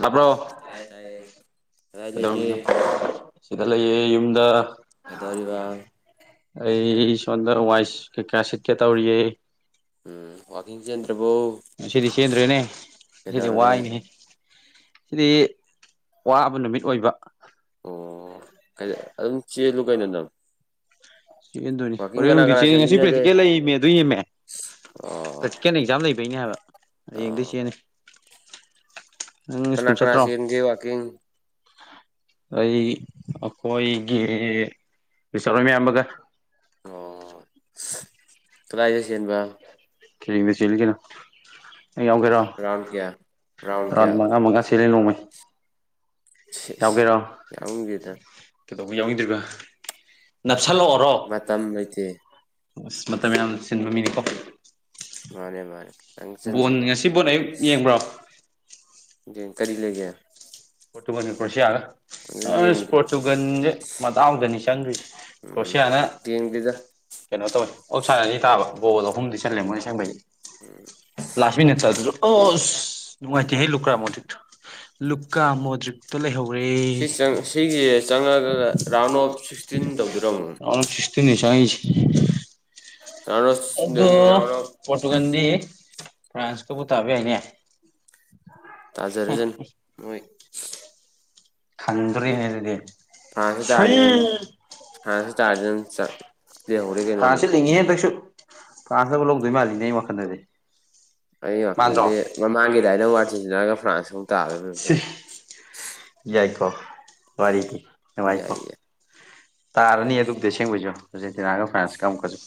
ꯇꯕꯔꯣ ꯂꯩꯌꯦ ꯌꯨꯝꯗ ꯀꯦꯗꯣꯔꯤꯕ ꯑꯩ ꯁꯣꯝꯗ ꯋꯥꯏꯁ ꯀꯩꯀꯥ ꯁꯤꯠꯀꯦ ꯇꯧꯔꯤꯌꯦ ꯎꯝ ꯑꯣ ꯁꯤꯗꯤ ꯆꯦꯟꯗ꯭ꯔꯦꯅꯦ ꯁꯤꯗꯤ ꯋꯥꯏꯅꯦ ꯁꯤꯗꯤ ꯑꯕ ꯅꯨꯃꯤꯠ ꯑꯣꯏꯕ ꯑꯣ ꯑꯗꯨꯝ ꯆꯦꯜꯂꯨ ꯀꯩꯅꯣ ꯅ ꯆꯦꯟꯗꯣꯏꯅꯤ ꯍꯣꯔꯦꯟ ꯅꯨꯡꯗꯤ ꯆꯦꯟꯜꯂꯤ ꯉꯁꯤ ꯄ꯭ꯔꯦꯛꯇꯤꯀꯦꯜ ꯂꯩꯃꯦ ꯑꯗꯨ ꯌꯦꯡꯃꯦ ꯄ꯭ꯔꯦꯛꯇꯤꯀꯦꯜ ꯑꯦꯛꯖꯥꯝ ꯂꯩꯕꯩꯅꯦ ꯍꯥꯏꯕ ꯍꯌꯦꯡꯗ ꯆꯦꯅꯤ ꯀꯅꯥ ꯀꯅꯥꯁꯤ ꯌꯦꯡꯒꯦ ꯋꯥꯀꯤ ꯑꯩ ꯑꯩꯈꯣꯏꯒꯤ ꯆꯂꯣꯏ ꯃꯌꯥꯝ ꯑꯃꯒ ꯑꯣ ꯀꯥꯏꯁꯁꯤꯟꯕ ꯀꯔꯤꯗ ꯆꯒꯅ ꯅ ꯌꯥꯎꯒꯦꯔꯣ ꯔꯥꯎꯟ ꯃꯉꯥ ꯃꯉꯥ ꯁꯦꯠꯂ ꯅꯣꯡꯃꯩ ꯌꯥꯎꯒꯦꯗ ꯀꯩꯗꯧꯕ ꯌꯥꯎꯅꯤꯡꯗ꯭ꯔꯤꯕ ꯅꯠꯁꯜꯂꯛꯑꯣꯔꯣ ꯑꯁ ꯃꯇꯝ ꯌꯥꯝ ꯁꯤꯟꯕ ꯃꯤꯅ ꯃꯥꯅꯦ ꯃꯥꯅꯦ ꯆꯪ ꯆꯖꯦ [inaudible] ꯄꯣꯔꯇꯨꯒꯜ ꯀ꯭ꯔꯣꯁꯤꯌꯥꯒ ꯄꯣꯔꯇꯨꯒꯜꯁꯦ ꯃꯇꯥꯡꯗꯅꯤ ꯆꯪꯗ꯭ꯏ ꯀ꯭ꯔꯣꯁꯤꯌꯥ ꯌꯦꯡꯗꯦꯗ ꯀꯩꯅꯣ ꯇꯧꯋꯦ ꯑꯣꯞ ꯁꯥꯏꯠ ꯑꯅꯤ ꯇꯥꯕ ꯕꯣꯜ ꯑꯍꯨꯝꯗꯤ ꯆꯜꯂꯦ ꯃꯣꯏꯅ ꯁꯦꯡꯕꯩ ꯂꯥꯁꯃꯤꯠ ꯆ ꯑꯣꯁ ꯅꯨꯡꯉꯥꯏꯇꯦ ꯍ ꯂꯨꯀ꯭ꯔꯥ ꯃꯣ ꯂ ꯀꯥ ꯃꯣꯗ꯭ꯔꯤꯛꯇ ꯂꯩꯍꯧꯔꯦ ꯍ ꯐꯤꯐꯇꯤꯟꯅꯤ ꯆꯪꯉꯛꯏꯁꯤ ꯑꯗꯣ ꯄꯣꯔꯇꯨꯒꯥꯟꯗꯤ ꯐ꯭ꯔꯥꯟꯁꯀꯕꯨ ꯇꯥꯕ ꯌꯥꯏꯅꯦ ꯇꯥꯖꯔꯖꯅꯨ ꯃꯣꯏ ꯈꯪꯗ꯭ꯔꯦꯅꯦ ꯑꯗꯨꯗꯤ ꯐ꯭ꯔꯁ ꯇ ꯇꯥꯔꯗꯤ ꯎꯝ ꯐ꯭ꯔꯁ ꯇ ꯇꯥꯔꯗꯤ ꯂꯩꯍꯧꯔꯦ ꯀꯩꯅꯣ ꯐ꯭ꯔꯁ ꯅꯕꯨ ꯂꯧꯗꯣ ꯃꯥꯜꯂꯤꯅꯤ ꯑꯩ ꯋꯥꯈꯜꯗꯗꯤ ꯃꯥꯟꯗ꯭ꯔꯣ [unintelligible] ꯌꯥꯏꯀꯣ ꯋꯥꯔꯤꯗꯤ ꯅꯨꯡꯉꯥꯏꯀꯣ ꯇꯥꯔꯅꯤ ꯑꯗꯨꯕꯨꯗꯤ ꯑꯁꯦꯡꯕꯁꯨ ꯑꯔꯖꯦꯟꯇꯤꯅꯒ ꯐ꯭ꯔꯁ ꯀ ꯑꯃꯨꯛꯀꯁꯨ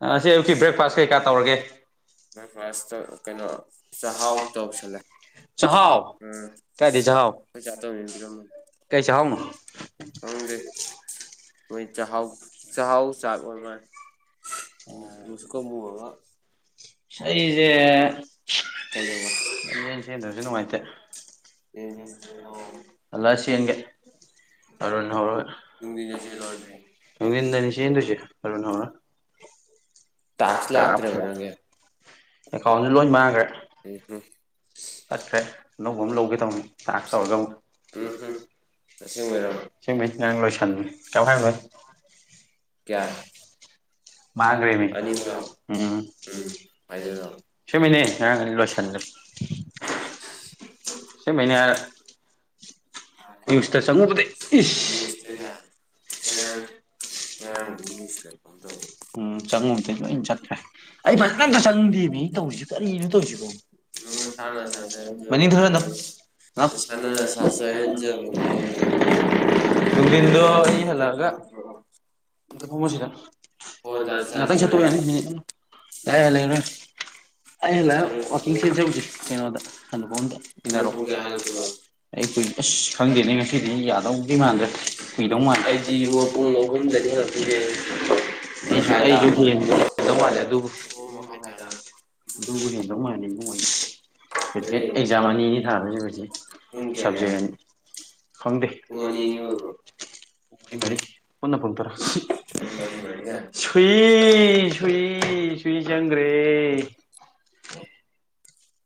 ꯑꯁꯤ ꯑꯌꯨꯛꯀꯤ ꯕ꯭ꯔꯦꯛꯐꯥꯁ ꯀꯩꯀꯥ ꯇꯧꯔꯒꯦ ꯆꯍꯥꯎ ꯀꯥꯏꯗꯁꯤ ꯆꯍꯥꯎ ꯀꯩ ꯆꯥꯍꯥꯎꯅꯣ ꯈꯪꯗꯦ ꯆꯍꯥꯎ ꯆꯍꯥꯎ ꯆꯥꯛ ꯑꯣꯏꯃ ꯎꯝ ꯃꯨꯁꯨꯛꯀ ꯃꯨꯔꯒ ꯑꯩꯁꯦ ꯂꯦꯝꯖꯦꯟ ꯆꯦꯟꯗ꯭ꯔꯁꯨ ꯅꯨꯡꯉꯥꯏꯇꯦ ꯍꯟꯂꯛꯑꯒ ꯆꯦꯟꯒꯦ ꯅꯨꯡꯊꯤꯟꯗ ꯆꯦꯟꯂꯣ ꯑꯗꯨꯗꯤ ꯀꯔꯟ ꯍꯧꯔꯒ ꯑꯦꯀꯥꯎ ꯂꯣꯏ ꯃꯥꯡꯈ꯭ꯔꯦ ꯆꯠꯈ꯭ꯔꯦ ꯑꯅꯧꯕ ꯑꯃ ꯂꯧꯒꯦ ꯇꯧꯅꯤ ꯇꯥꯀꯁ ꯇꯧꯔꯒ ꯑꯃꯨꯛ ꯁꯤꯃꯩ ꯅꯪ ꯂꯣꯏꯁꯟ ꯀꯥꯝ ꯍꯥꯏꯔꯣꯏ ꯀꯌꯥ ꯃꯥꯥꯡꯒ꯭ꯔꯦꯃꯤ ꯎꯝ ꯁꯦꯝꯃꯦꯅꯦ ꯉꯔꯥꯡ ꯂꯣꯏꯁꯟꯕꯅꯤ ꯁꯤꯃꯤꯅ ꯍꯥꯏꯔ ꯀꯜꯜ [unintelligible] [unintelligible] ꯎꯝ ꯆꯪꯉꯣꯏꯗ ꯂꯣꯏ ꯆꯠꯈ꯭ꯔꯦ ꯑꯩ ꯐꯖꯅ ꯑꯝꯇ ꯆꯪꯗꯦ ꯃꯤ ꯇꯧꯔꯤꯁꯤ ꯀꯔꯤꯅꯣ ꯇꯧꯔꯤꯁꯤꯕꯣ [unintelligible] ꯅꯨꯡꯊꯤꯜꯗꯣ ꯑꯩ ꯍꯟꯂꯛꯑꯒ [unintelligible] [unintelligible] [unintelligible] ꯑꯩ ꯀꯨꯏ ꯑꯁ ꯈꯪꯗꯦꯅꯦ ꯉꯁꯤꯗꯤ ꯌꯥꯗꯧꯗꯤ ꯃꯥꯟꯗ꯭ꯔꯦ ꯀꯨꯏꯗꯧ ꯃꯥꯟꯂꯦ ꯑꯩꯗꯤꯗꯦ ꯑꯩꯁꯨ ꯑꯩꯁꯨ ꯍꯦ [unintelligible] ꯑꯦꯛꯖꯥꯝ ꯑꯅꯤꯅꯤ ꯊꯥꯗꯨꯕꯗꯤ ꯁꯕꯖꯦꯅꯤ ꯈꯪꯗꯦꯒ ꯄꯨꯡ ꯑꯅꯤ ꯄꯨꯟꯅ ꯄꯨꯡ ꯇꯔ ꯃꯔꯤ ꯃꯔꯤꯒ ꯁꯨꯏ ꯁꯨꯏ ꯁꯨꯏ ꯆꯪꯒ꯭ꯔꯦ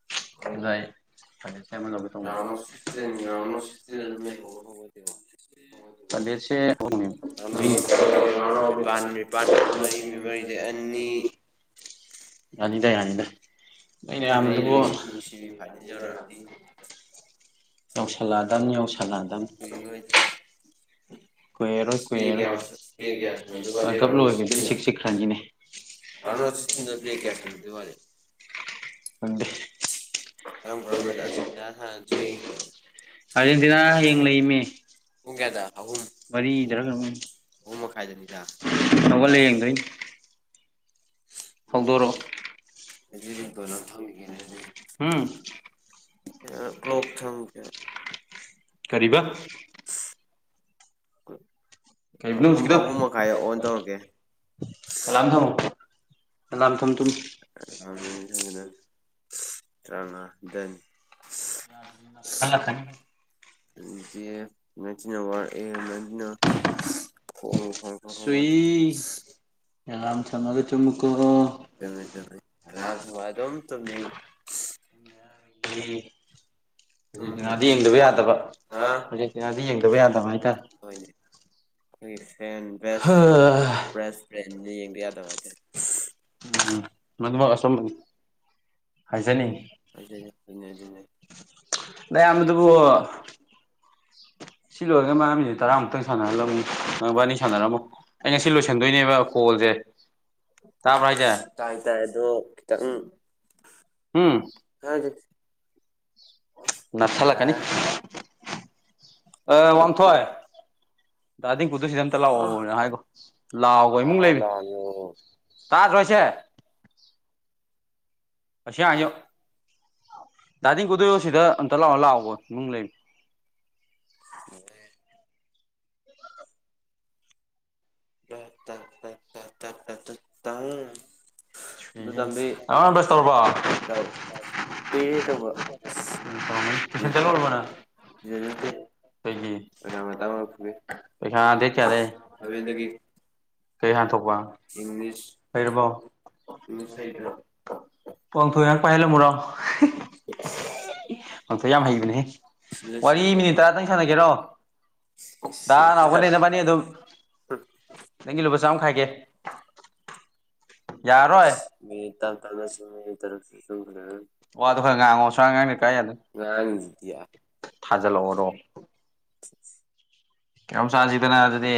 [unintelligible] [unintelligible] ꯑꯅꯤ [unintelligible] ꯌꯥꯅꯤꯗ ꯌꯥꯅꯤꯗ ꯅꯩ ꯅꯌꯥꯝꯕꯗꯨꯕꯨ ꯌꯥꯎꯁꯂꯥꯗꯝꯅꯤ ꯌꯥꯎꯁꯂꯥ [unintelligible] [unintelligible] ꯀꯨꯏꯔꯔꯣꯏ ꯀꯨꯏꯔꯔꯣꯏ ꯋꯥꯜ ꯀꯞ ꯂꯣꯏꯕ ꯏꯆꯤꯛ ꯆꯤꯛꯈ꯭ꯔꯅꯤꯅꯦ ꯑꯗ ꯀꯝ ꯀꯝ ꯌꯥꯁ ꯑꯔꯖꯦꯟꯇꯤꯅꯥ ꯌꯦꯡ ꯂꯩꯃꯦ ꯃꯗꯔ ꯍꯧꯒꯜꯂꯦ ꯌꯦꯡꯗꯣꯏꯅꯤ ꯍꯧꯣꯛꯗꯣꯔ ꯑꯗꯨ ꯇꯣ ꯑꯗꯨ ꯊꯝꯕꯤꯒꯦꯔ ꯑꯗꯨ ꯀ꯭ꯂ꯭ꯂꯣ ꯊꯪ ꯀ ꯀ ꯀꯩꯕ ꯍꯧꯁꯤ ꯀꯗ ꯂꯝ ꯊꯃꯣ ꯑꯦꯂꯥꯝ ꯊꯨꯝ ꯊꯨꯝ ꯇꯅꯥ ꯗꯅꯤ ꯃꯆꯣ ꯋꯥ ꯃꯅꯣ ꯍꯣꯡ ꯐ ꯐ ꯍ ꯌꯥꯉꯝ ꯆꯪ ꯇ ꯇ ꯂꯥꯈ ꯋꯥꯗꯣ ꯇꯃꯤ ꯎꯝ ꯗꯤ ꯌꯦꯡꯗꯕ ꯌꯥꯗꯕ ꯍꯧ꯭ꯔꯖꯦꯛꯅꯥꯗꯤ ꯌꯦꯡꯗꯕ ꯌꯥꯗꯕ ꯍꯥꯏꯇꯥꯔꯦ ꯑꯩ ꯐꯦꯟ ꯦꯁ ꯦꯁ ꯐ꯭ꯔꯦꯟ ꯌꯦꯡꯕ ꯌꯥꯗꯕ ꯍꯥꯏꯇꯥꯦ ꯑꯗꯨꯃꯛ ꯑꯁꯣꯝ ꯍꯥꯏꯖꯅꯤꯡꯉꯤ ꯑ ꯊꯅ ꯊꯅ ꯁꯤ ꯂꯣꯏꯔꯒ ꯃꯝꯃꯤꯁꯤꯦ ꯇꯔꯥꯃꯨꯛꯇꯪ ꯁꯥꯟꯅꯍꯜꯂꯝꯅꯤ ꯃꯕꯥꯅꯤ ꯁꯥꯟꯅꯔꯝꯃꯣ ꯑꯩ ꯉꯁꯤ ꯂꯣꯏꯁꯤꯟꯗꯣꯏꯅꯦꯕꯣ ꯦ ꯆꯕꯁ ꯎꯝ ꯅꯊꯂ ꯀꯅꯤ ꯑ ꯋꯥꯟꯊꯦ ꯆꯥꯗꯤꯡ ꯀꯨꯠꯇ ꯁꯤꯗ ꯑꯝꯇ ꯂꯥꯛꯑꯣꯅ ꯍꯥꯏꯈꯣ ꯂꯥꯛꯑꯣꯈꯣ ꯏꯃꯨꯡꯛ ꯂꯩꯕꯤ ꯀꯥ ꯔꯣꯏꯁꯦ ꯑꯁꯤ ꯍꯥꯏꯁ ꯗꯥꯗꯤ ꯀꯗꯣꯏꯣ ꯁꯤꯗ ꯑꯝꯇ ꯂꯥꯛꯑꯣ ꯂꯥꯛꯑꯣꯕꯣ ꯅꯨꯡ ꯂꯩꯅꯤ ꯑꯗ [unintelligible] ꯑꯃꯥ ꯕꯁ ꯇꯧꯔꯕ ꯎꯝ ꯎꯝ ꯁꯤꯅꯠꯇꯦ ꯑꯔꯃꯇ ꯋꯥꯔꯄꯒꯦ ꯀꯔꯤ ꯍꯥꯟꯊꯣꯛꯄ ꯍꯩꯔꯕꯣ ꯄꯪꯊꯣꯏ ꯉꯥꯏꯍꯥꯛ ꯄꯥꯏꯍꯜꯂꯝꯃꯨꯔꯣ ꯄꯥꯡꯊꯣꯏ ꯌꯥꯝ ꯍꯩꯕꯅꯦ ꯁꯤ ꯂꯩ ꯁꯤ ꯅꯪꯒꯤ ꯂꯨꯄꯥ ꯆꯥꯃ ꯈꯥꯏꯒꯦ ꯃꯤꯇ ꯀꯗꯁꯨ ꯃꯤ ꯇꯔꯁꯨꯁꯨ ꯋꯥꯗꯨ ꯈꯔ ꯉꯥꯡꯉꯣ ꯁꯨꯉꯥꯡꯅꯤ ꯀꯥꯏ ꯌꯥꯗꯣꯏꯅꫭ ꯊꯥꯖꯜꯂꯛꯑꯣꯔꯣ [unintelligible] ꯀꯌꯥꯝ ꯆꯥꯁꯤꯗꯅ ꯑꯗꯨꯗꯤ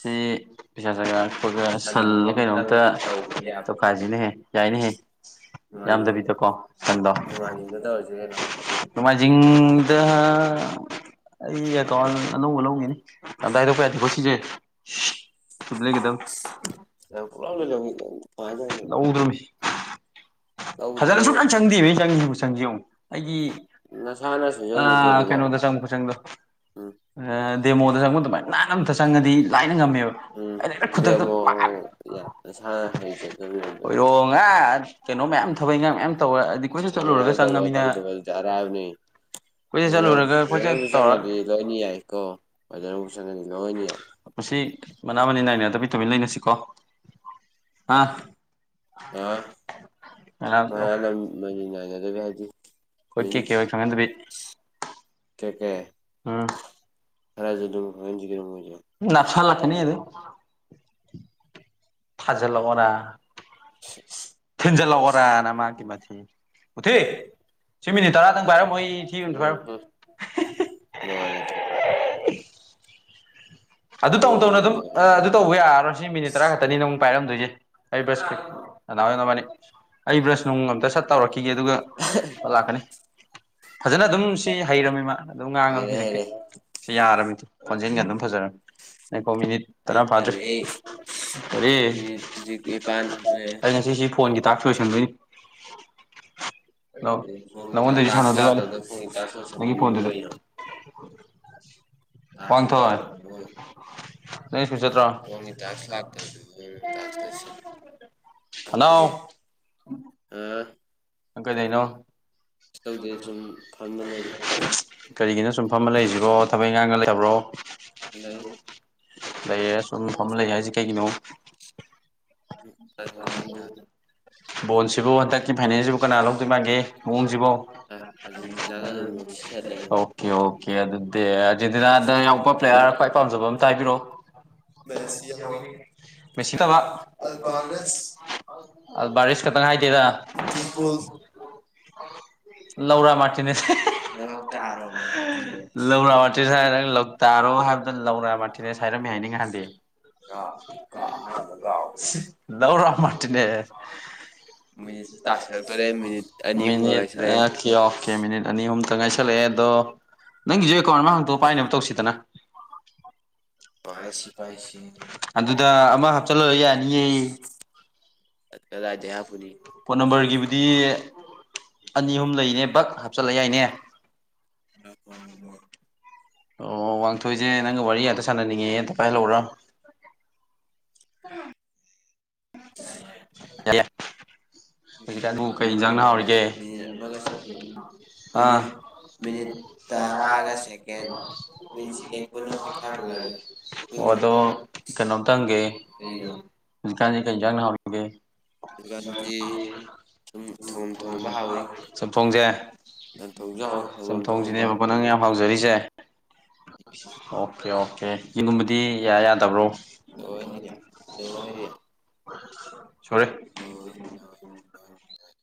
ꯁꯤ ꯄꯩꯁꯥ ꯆꯖꯒꯥ ꯑꯗꯨꯒ ꯁꯟ ꯀꯩꯅꯣꯝꯇ ꯇꯧꯈꯥꯏꯁꯤꯅꯍꯦ ꯌꯥꯏꯅꯍꯦ ꯌꯥꯝꯗꯕꯤꯗꯀꯣ ꯁꯟꯗꯣ ꯅꫭꯡꯃꯥꯏꯖꯤꯡꯗ ꯑꯅꯧꯕ ꯑꯅꯧꯕꯒꯦꯅꯤ ꯀꯝꯇ ꯍꯥꯏꯗꯣꯛꯄ ꯌꯥꯗꯦꯀꯣ ꯁꯤꯁꯦ ꯂꯩꯒꯗꯕ ꯂꯧꯗ꯭ꯔꯃꯤ ꯐꯖꯅ ꯁꯨꯡꯇꯪ ꯆꯪꯗꯦꯕ ꯆꯪꯉ ꯆꯪꯁꯤ ꯑꯃꯨꯛ ꯑꯩꯒꯤ ꯑꯥ ꯀꯩꯅꯣꯗ ꯆꯪꯕ ꯈꯨꯆꯪꯗꯣ ꯗꯦꯃꯣꯗ ꯆꯪꯕ ꯑꯗꯨꯃꯥꯏꯅ ꯅꯥꯟꯅ ꯑꯝꯇ ꯆꯪꯉꯗꯤ ꯂꯥꯏꯅ ꯉꯝꯃꯦꯕ ꯗꯤꯃꯣ ꯑꯣꯏꯔꯣꯉ ꯀꯩꯅꯣ ꯃꯌꯥꯝ ꯊꯕꯛ ꯏꯈꯥꯡ ꯃꯌꯥꯝ ꯇꯧꯔ ꯍꯥꯏꯗꯤ ꯀꯣꯏꯁꯨ ꯆꯠꯂꯨꯔꯒ ꯆꯪꯉꯃꯤꯅ ꯀꯣꯏꯆꯠ ꯆꯠꯂꯨꯔꯒ ꯄꯣꯏꯁ ꯇꯧ ꯃꯁꯤ ꯃꯅꯥ ꯃꯁꯤꯡꯅꯤ ꯅꯥꯏꯅ ꯇꯄꯤ ꯇꯧꯃꯤꯟ ꯂꯩꯅꯁꯤ ꯁꯤꯀꯣ ꯑꯦ ꯃꯔꯅ ꯃꯅꯦꯗꯀ ꯍꯥꯏꯗꯤ ꯃꯤꯟ ꯎꯝ ꯂꯁꯜ ꯂꯥꯛꯀꯅꯤ ꯑꯗꯨꯗꯩ ꯐꯖꯦꯜꯂꯅꯥ ꯊꯦꯟꯖꯦꯜꯂꯔꯅ ꯃꯥꯀꯤ ꯃꯥꯁꯤ ꯎꯊ ꯁꯤ ꯃꯤꯅꯤꯠ ꯇꯔꯥꯗꯪ ꯄꯥꯏꯔꯝꯃꯣꯏ ꯊꯤꯕ ꯊꯥꯏꯔꯝ [unintelligible] ꯑꯗꯨ ꯇꯧꯅ ꯇꯧꯅ ꯑꯗꯨꯝ ꯑꯗꯨ ꯇꯧꯕ ꯌꯥꯔꯔꯣ ꯁꯤ ꯃꯤꯅꯤꯠ ꯇꯔꯥ ꯈꯛꯇꯅꯤꯅ ꯑꯃꯨꯛ ꯄꯥꯏꯔꯝꯗꯣꯏꯁꯦ ꯑꯩ ꯕꯁꯀꯤ ꯀꯅꯥꯍꯅꯕꯥꯅꯤ ꯑꯩ ꯕ꯭ꯔꯁ ꯅꯨꯡ ꯑꯝꯇ ꯁꯠ ꯇꯧꯔꯛꯈꯤꯒꯦ ꯑꯗꯨꯒ ꯂꯥꯛꯀꯅꯤ ꯐꯖꯅ ꯑꯗꯨꯝ ꯁꯤ ꯍꯩꯔꯝꯃꯤ ꯃꯥ ꯑꯗꯨꯝ ꯉꯥꯡꯉꯝꯃꯤ ꯍꯧꯖꯤꯛꯇꯤ ꯁꯤ ꯌꯥꯔꯃꯤꯗ ꯐꯣꯟꯖꯦꯜꯒ ꯑꯗꯨꯝ ꯐꯖꯔꯅꯤꯃꯤ ꯀꯗꯤ ꯇꯔ ꯐꯥꯖ꯭ꯔꯦ ꯑꯦ ꯑꯩ ꯉꯁꯤꯁꯤ ꯐꯣꯟꯒꯤꯇꯥꯛꯁꯨ ꯂꯣꯏꯁꯟꯗꯣꯏꯅꯤ [inaudible] ꯅꯪꯉꯣꯟꯗꯩꯁꯨ ꯁꯥꯟꯅꯗꯣꯏ ꯋꯥꯂ ꯅꯪꯒꯤ ꯐꯣꯟꯗꯨꯗ ꯇꯀꯗꯣ ꯐꯅꯤ ꯇꯥꯁ ꯂꯥꯛꯇ ꯑꯗꯨ ꯇꯥꯁ ꯂꯩ ꯍꯂꯣ ꯍꯪ ꯀꯩꯗꯧꯏꯅꯣ ꯀꯔꯤꯒꯤꯅ ꯁꯨꯝ ꯐꯃ ꯂꯩꯁꯤꯕꯣ ꯊꯕꯛ ꯉꯒ ꯂꯩꯕ꯭ꯔꯣ ꯂꯩꯌꯦꯦ ꯁꯨꯝꯐꯝꯐꯝ ꯂꯩ ꯍꯥꯏꯁꯦ ꯀꯩꯒꯤꯅꯣ ꯎ ꯀꯪꯗ ꯕꯣꯟꯁꯤꯕꯨ ꯍꯟꯗꯛꯀꯤ ꯐꯥꯏꯅꯦꯟꯁꯤꯕꯨ ꯀꯅꯥ ꯂꯧꯗꯣꯏ ꯃꯥꯒꯦ ꯃꯑꯣꯡꯁꯤꯕꯣ ꯑꯣꯀꯦ ꯑꯣꯀꯦ ꯑꯗꯨꯗꯖꯤꯗꯅꯥꯗ ꯌꯥꯝꯎꯄꯥ ꯄ꯭ꯂꯦꯔ ꯄꯥꯝꯖꯕ ꯑꯝꯇ ꯍꯥꯏꯕꯤꯔꯛꯑꯣ ꯃꯦꯁꯤꯡ ꯇꯕ ꯑ ꯔꯁ ꯈꯇꯪ ꯍꯥꯏꯥꯏꯇꯦꯗ ꯑ ꯂꯧꯔꯥ ꯃꯥꯇꯤꯅꯦ ꯂꯧꯔꯥ ꯃꯥꯇꯤꯁ ꯍꯥꯏ ꯅꯪ ꯂꯧꯇꯥꯔꯣ ꯍꯥꯏꯕ ꯂꯧꯔꯛꯑꯕꯊꯦꯅꯦ ꯍꯥꯏꯔꯝꯃꯦ ꯍꯥꯏꯅꯤ ꯉꯍꯥꯟꯗꯤ ꯗꯧꯔ ꯃꯇꯅꯦ ꯃꯤ ꯑꯣꯦ ꯃꯤ ꯑꯅꯤ ꯇ ꯉꯥꯏꯁꯜꯂꯛꯑꯦ ꯑꯗꯣ ꯅꯪꯒꯤꯁꯨ ꯑꯦꯀꯥꯎꯟ ꯑꯃ ꯍꯥꯡꯇꯣꯛ ꯄꯥꯏꯅꯕ ꯇꯧꯁꯤꯗꯅ m.. ꯑꯗꯨꯗ ꯑꯃ ꯍꯥꯞꯆꯜꯂ ꯌꯥꯅꯤꯌꯦ ꯐꯣꯟ ꯅꯝꯕꯔꯒꯤꯕꯨꯗꯤ ꯑꯅꯤ ꯑꯍꯨꯝ ꯂꯩꯅꯦ ꯕꯛ ꯍꯥꯞꯆꯤꯜꯂ ꯌꯥꯏꯅꯦ ꯑꯣ ꯋꯥꯡꯊꯣꯏꯁꯦ ꯅꯪꯒ ꯋꯥꯔꯤ ꯑꯇ ꯁꯥꯟꯅꯅꯤꯡꯉꯦ ꯎꯝ ꯌꯥꯏꯏ ꯃꯤꯅꯤ ꯃꯦ ꯑꯥ [unintelligible] ꯑꯗꯣ ꯀꯩꯅꯣꯝꯇꯥ ꯍꯪꯒꯦ ꯍꯧꯖꯤꯛꯀꯥꯟꯖꯦ ꯀꯩ ꯌꯦꯟꯁꯥꯡꯅꯥ ꯍꯥꯎꯔꯤꯒꯦ [unintelligible] ꯎꯝ ꯆꯝꯊꯣꯡꯁꯦ ꯆꯝꯊꯣꯡꯁꯤꯅꯦꯕꯕ ꯅꯪ ꯌꯥꯝ ꯍ ꯍꯥꯎꯖꯔꯤꯁꯦ ꯑꯣꯀꯦ ꯑꯣꯀꯦ ꯌꯦꯟꯒꯨꯝꯕꯗꯤ ꯌꯥ ꯌꯥꯗꯕ꯭ꯔꯣ ꯁꯣꯔꯤ [unintelligible]